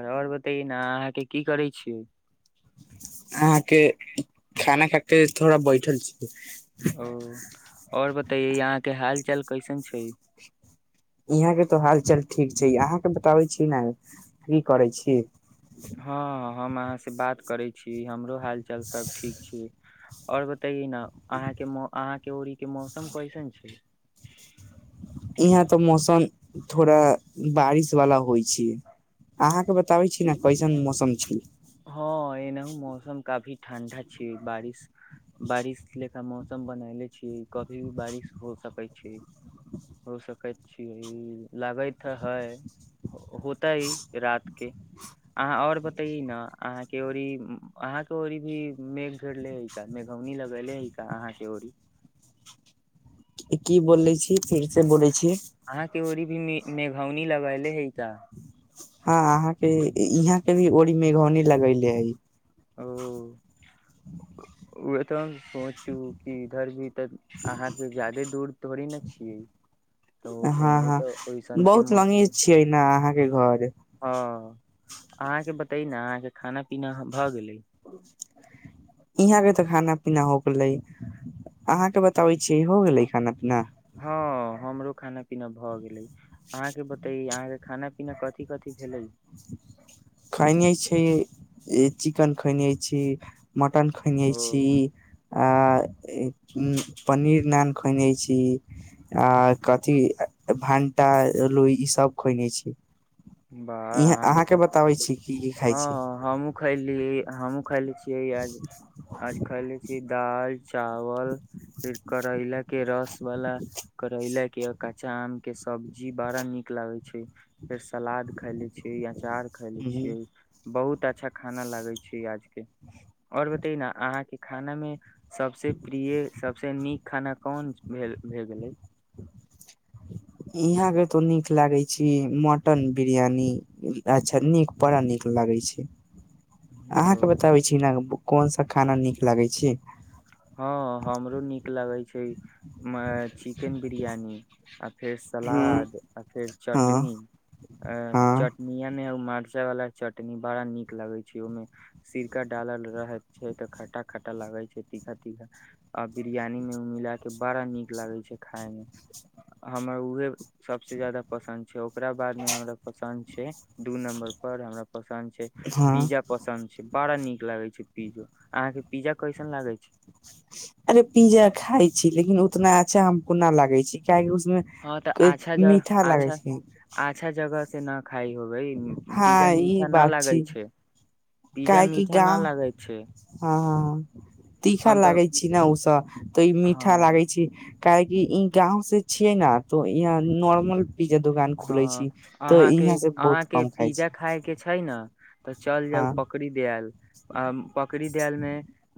आओर बतैए न अहाँके की करै छियै अहाँके खाना खा के थोड़ा बैठल छी [unintelligible] ओ आओर बता तऽ यहाँ के हाल चाल कैसन छै यहाँ के तऽ हाल चाल ठीक छै अहाँके बताबै छी ने की करै छी हँ हम अहाँ से बात करै छी हमरो हाल चाल सब ठीक छै आओर बताइेए न अहाँ के मौ अहांके ओड़ी के मौसम कैसन छै यहाँ तऽ मौसम थोड़ा बारिश वाला होइ छै अहाँके बताबे छी ने कैसन मौसम छै हँ एनाहु मौसम काफी ठंडा छै बारिश बारिश ले का मौसम बनले छीय कभी भी बारिश हो सकै छै हो सकैत छी लाग त हय होते रात के अहाँ आओर बतैैए न अहाँ के ओरी अहाँ के ओरी भी मेघ गरले है का मेघौनी लगेले है का अहाँ के ओरी [unintelligible] की बोलैछी फिर से बोली अहाँके ओरी भी मे मेघौनी लगैयले हय का हँ अहाँके यहाँ के भी ओड़ी मेघौनी लगैले हइ [unintelligible] ओए तऽ सोचू कि इधर भी तऽ अहाँ से ज्यादे दूर तोड़े नहि छियै तऽ हँ ओनाहु हँ तऽ ओइसनके बहुत मौसम अमीर छियै ने अहाँके घर हँ अहाँके बतै न अहाँके खाना पीना भऽ गेलै यहाँ के तऽ खाना पीना हो गेलै अहाँ के बताबै छी हो गेले खाना पीना हँ हमरो खाना पीना भऽ गेले आहाँके बतै आ खाना पीना कथी कथि भेलै खैने छै चिकेन खैने छी मटन खैने ओ छी आ पनीर नान खैने छी आ कथि भण्टा लो ईसभ खुएने छी बाह इहाँ अहाँके तऽ बताबै छी की की खाइ छी हँ हमहुँ खैली हँ हमु खइले छियैआज खले छी दाल चावल फेर करैला के रस वाला करैला के के कच्चा आम के सब्जी बड़ा नीक लागे छै फेर सलाद खााय ले छी या चार खैले छियै बहुत अच्छा खाना लागे छै आज के और बतै न अहाँके खानामे सबसे प्रिय सबसे नीक खाना कोन भेल भेए गेलै यहाँ के तो नीक लागे छी मटन बिरियानी अच्छा नीक बड़ा नीक लागे छै अहाँके ओ बताबै छी कोन सा खाना नीक लगै छै हँ हमरो नीक लगै छै चिकेन बिरियानी आ फेर हँ सलाद आ फेर हँ चटनी हँ चटनिया ने उ मार मिरचा वाला चटनी बड़ा निक लगे छै ओमें सिरका डालल रहे छै ते खटा खटा लागे छै छतीआ बिरयानी मे ओ मिला के बड़ा नीक लागे छै खाय मे हमर उहे सबस जादा पसन्द छै ओकरा बाद मे हमरा पसन्द छै दू नम्बर पर हमरा पसन्द छै हँ पिज्जा पसन्द छै बड़ा नीक लागे छै पिज्जो अहा के पिज्जा कैसन लागे छै अरे पिज्जा खाय छी लेकिन उतना अच्छा हमको न लागे छै काहि हँ तऽ उ अच्छा जगह मीठा लागै अच्छा छै अच्छा जगह से न खाइ होबै पिज्जा हँ ई मीठा न बात लागै छी छै पिज्जा काहेकि मीठा न गाव लागै छै हँ हँ हँ तीखा हम तऽ लागै छी ने ओसभ तऽ मीठा हँ लागै छी काहे कि ई गांव से छिय ने तऽ इहाँ नॉर्मल पिज्जा दुकान खुले छी हँ तऽ अहाँके यहाँ से बहुत अहाँके कम खाइ छी पिज्जा खाय के छै ने तऽ चल जाउ हँ पकड़ीदयाल आ बकड़ी दा या ल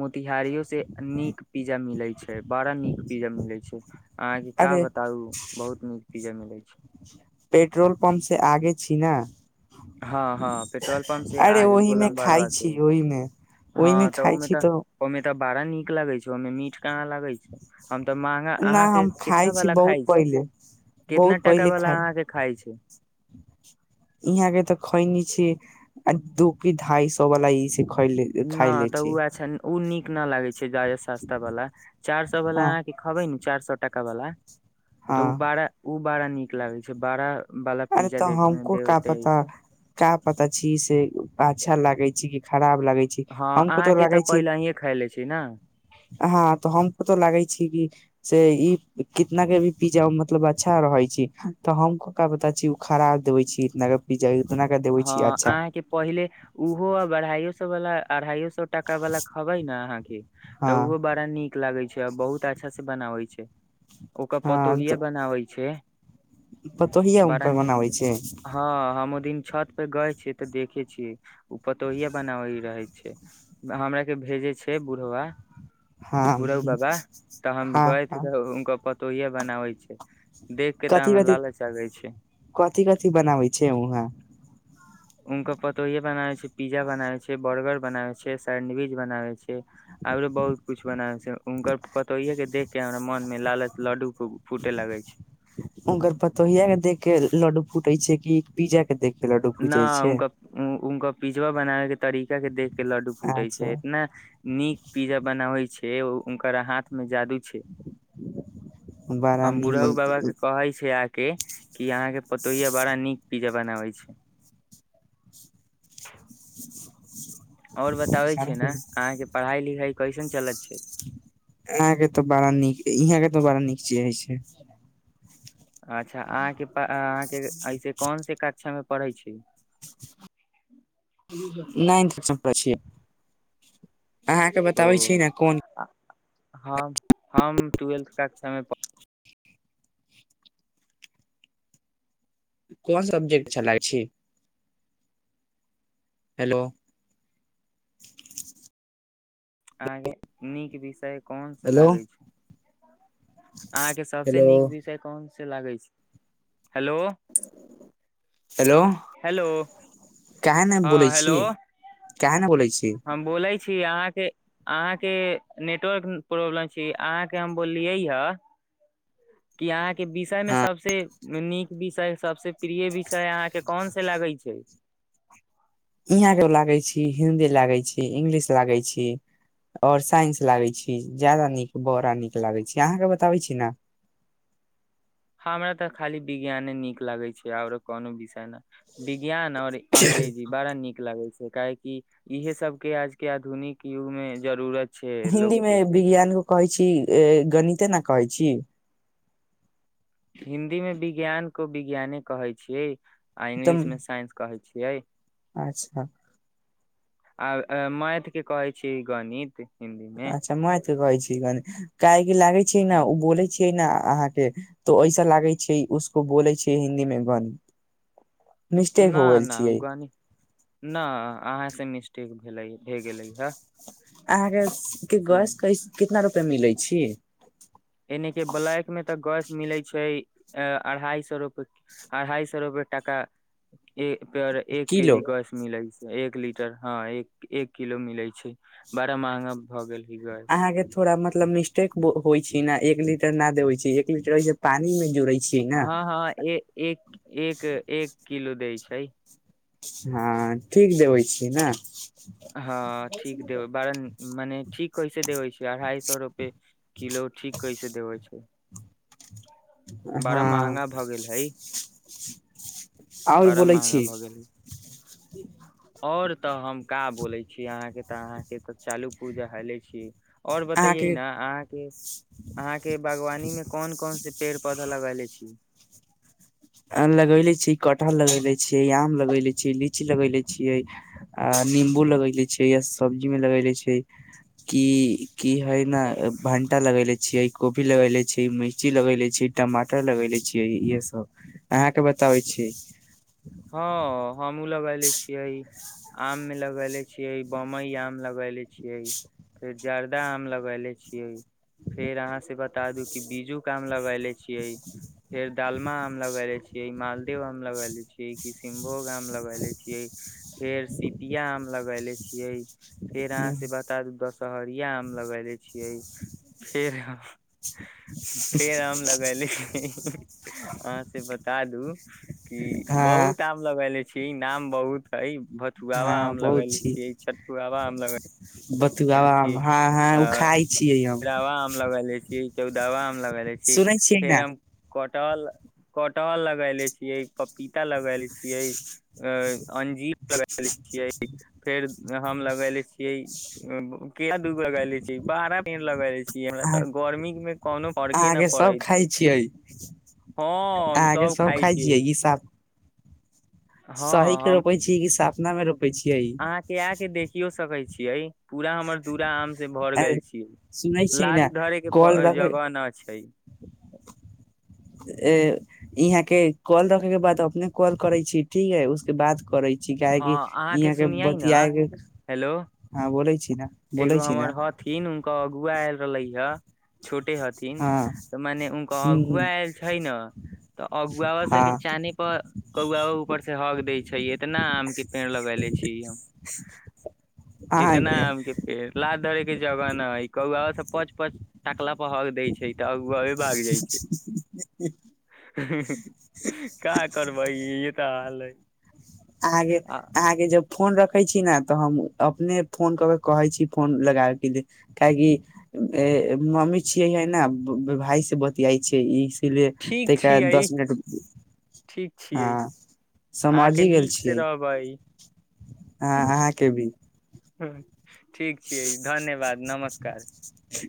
मे तिहारियो से नीक पिज्जा मिलै छै बड़ा नीक पिज्जा मिलै छै अहां के का अरे बताउ बहुत नीक पिज्जा मिलै छै [unintelligible] पेट्रोल पम्प से आगे छी न हँ हँ पेट्रोल पंप से अरे आगे ओहिमे गोलम खाय बड़वा छी के ओहिमे ओहिमे हँ तऽ खाय छी तऽ ओहिमे तऽ बड़ा नीक लगे छै ओहिमे मीठ कहाँ लागै छै हम तऽ महगा न अहाँके हम खाइ कितना छी बला बहुत खाइ छी पहिले कितना बहुत पहिले टकावला अहाँके खाय छी इहाँगे तऽ ख‌इनि छी आ दूोकी ढाइ सौ वाला स न तऽ ओ अच्छा ओ नीक ना लागै छै जा हय सस्ता बला चार सौ बला हँ अहाँ के खबै न चार सौ कुछ टका बला तऽ उ हँ बारह उ बड़ा नीक लागै छै बड़ा वाला अरे पिज्जा तऽ दे हमको का देते पता ऐसे का पता छी से ब अच्छा लागै छै कि खराब लागै छी हँ हमको तो अहाँके तऽ लागै छी पहिलहिए खै ले छी ने हँ तऽ हमको तो लागै छी कि से ई कितना के भी पिज्जा मतलब अच्छा रहै छै तऽ हम को का पता छी उ खराब देवे छी इतना के पिज्जा इतना के देबै छी हँ अच्छा अहाँके पहिले ओहो आ बढ़ाइयो बला अढ़ाइयो स टाका वाला खबै ने अहा के तऽ उहो हँ बड़ा नीक लागै छै बहुत अच्छा से बनाबै छै ओकर पतोहियाबनाबै छै पतोहिए बड़ा हुनकर नीक बनाबै छै हँ हम ओ दिन छत पे गय छै तऽ देखे छीयै ओ पतोहिेया बनाब रहै छै हमरा के भेजे छै बूढ़वा हँ बुरहु बाबा तऽ हम हँ गए हँ त उनकर पतोहिया बनाबै छै देख के तऽ कथि हमरा कथि लालच आ गै छै कथि कथि बनाबै छै उहाँ हुनकर पतोहिेये बनाबै छै पिज्जा बनाबै छै बर्गर बनाबै छै सैंडविज बनाबै छै आरो बहुत कुछ बनाबै छै उनकर पतोहिेयेके देख के हमरा मोन मे लालच लड्डू फूटे लगे छै उनकर पतोहिया के देख के लडू फुटै छै कि पीज्जा न उनकर उनकर पिजवा बनाबे के तरीका के देख के लड्डू फूटे अच्छा छै इतना नीक पिज्जा बनाबे छै उनक हाथ में जादू छै बड़ा हम बुढ़हु निमन बाबा के कहै छै आ के क अहाँके पतोहिए बड़ा नीक पीजा बनाबै छै [inaudible] और बताबै छै ने अहाँके पढ़ाई लिखाई कैसन चल छै अहाकेँ तऽ बड़ा नीक इहाँ के तऽ बड़ा नीक चीज हइ छै अच्छा अहाँके अहाँके ऐसे कोन से कक्षा मे पढ़ै छै नहि इथन प छिय [unintelligible] अहाँके बताबै छी ने कोन ह हम टुवेल्थ कक्षा मे प कोन सब्जेक्ट चलाै छै हेलो अहाकेँ नीक विषय कोन से हेलो लागै छै ह [inaudible] अहाँके सबसे हेलो नीक विषय कोन से लागै छै हेलो हेलो हेलो काहे ने बोलै हँ हेलो छी काहे ने बोलै छी हम बोलै छी अहाँके नेटवर्क प्रॉब्लम छी अहाँके हम बोललियै ह कि अहाँके विषय मे हँ सबसे नीक विषय सबसे प्रिय विषय अहाँके कोन से लगै छै यहाँके लागै छी हिन्दी लागै छी इंगलिश लागै छी आओर साइंस लागै छी ज्यादा नीक बड़ा नीक लागै छी अहाँके बताबै छी ने हँ हमरा तऽ खाली विज्ञाने नीक लागै छै आओरो कोनो विषय ने वि विज्ञान और अंग्रेजी बड़ा नीक लागै छै काहे की इहे सबके आज के आधुनिक युग में जरूरत छै लोग हिन्दीमे के विज्ञान क कहै छी गणित कते ने कहै छी [unintelligible] हिन्दी मे विज्ञान को विज्ञाने कहै छियै आ तऽ इंगलिश मे साइंस कहै छी इह अच्छा आ मैथ के कहै छी गणित हिन्दी मे अच्छा मैथ कहै छी गाणित कहेका लागै छै ने ओ हँ बोलै छैियै ने अहाँके तो ऐसा लागै छै उसको बोलै छै हिन्दी मे गण न न हमक न अ मिेेस्टेक अहाँके के गछ क कितना रुपे मिलैत छै छ यनि के बलायक मे तऽ गैस मिलै छै अढ़ाई सए रूपए अढ़ाइ सए रूपए टाका [unintelligible] प्य एक किलो केजी गैस मिलै एक लीटर हँ एक एक किलो मिले छै बड़ा महंगा भऽ गेल हइ गैस अहाँके थोड़ा मतलब मिस्टेक होइ छै ने एक लि न देबे छै एक लीटर पानी मे जोरइ हँ हँ एक एक एक एक किलो दैइ छै हँ ठीक देबै छीय ना हँ ठीक देब बर मने ठीक कैसे देबै छै अढ़ाई सो रुपे किलो ठीक कैसे देबे छै बड़ा हँ महंगा भऽ गेल हइ आउ बड़ा बोलै महंगा छी [inaudible] भऽ गेल हइ और तऽ हम का बोले छी अहाँ के ते अहाँ के त चालू पुर्जा हेले छी ओर बतैयै अहाँके न अहाँके अहाँके बागवानी में कोन कोन से पेड़ पौधा लगइले छी लगले छी कठहल लगले छीयै आम लगले छीय लीची लगले छियै आ निंबू लगले छियै य सब्जी मे लगले छी कि की हय ने भंटा लगले छियै कोभी लगले छी मिर्ची लगले छी टमाटर लगले छियै इहे सब अहाँके बताबै छी हँ हमहु लगेले छियै आम मे लगले छियै बम्बई आम लगले छियै फेर जर्दा आम लगले छीयै फेर अहाँ से बता दू क बीजू क आम लगले छियै फेर दडालमा आम लगले छियै मालदेव आम लगले छीयै किशनभोग आम लगले छियै फेर सिपिया आम लगले छियै फेर अहाँ से बता दू दस सहरिया आम लगले छियै फेर फेर आम लगेले छिये अहाँ से बता दू कि हँ बहुत कयले छी नाम बहुत हय भथुआवा हँ आम बहुत लगेले छी छियै चटुआवा आम लग बथुआवा आम हँ हँ ओ खाय छियै हम तेरहवा आम लगैले छियै चौदहवा आम लगएले छी सुनै छियै फेर न हम कटहल कटहल लगएले छियै पपीता लगएल छियै अंजीर लगएले छियै फेर हम लगएले छियै केला दूगो लगएले छी बारा पेड़ लगएले छियै हमरा अहाँ तऽ गर्मी मे कोनो फर्के न अहाँके सब पड़ै खाय छियै हँ हम अहाँके सब खाइ खाय छियै ई सब सही हँ के हम रोपै छियै कि सप ना मे रोपय छियै सकय छियै पूरा हमर दूरा आम से भर गेल छियै सुनै छियै लात ने धरे के कॉल रखे जगह न छै ए यहाँ के कॉल रखे के बाद अपने कॉल करय छी ठीक है उसके बाद करय छी काहे हँ कि अहाँके यहाँ के सुनियै न बतियाके हेलो हँ बोले छी ने बोलै एगो छी ने हमर हथिन उहै आयल रहलै ह छोट छोटे हथिन हँ तऽ मने उनकर अगुआ ह आयल छै ने तऽ अगुआवा सबके हँ चानी पर कौुआवा ऊपर से हग दैय छै एतना आम के पेड़ लगेले छी अहाके आम के पेड़ लात धरे के जगह न है कौआवा सब पच पच टकला पर हग दै छै तऽ अगुआवा हींहींहीं हीं हीं का करबै इहे तऽ हाल हइ अहाँके अहाँके जब फोन रखे छी ने तऽ हम अपने फोन कऽ के कहे छी फोन लगाय के जे खायेगी ए मम्मी छियैये ने भाय से बतियाई छै तयके ठीक बाद छियै दस मिनट ठीक छियै हँ अहाँके समझि गेल नीक से छीयै रहबै ह अहाँके भी हँ ठीक छियै धन्यवाद नमस्कार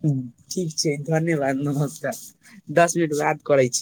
ठीक छै धन्यवाद नमस्कार दस मिनट बाद करय छी